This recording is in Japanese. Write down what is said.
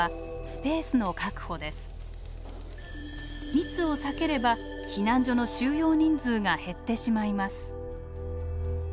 密を避ければ避難所の収容人数が減ってしまいます。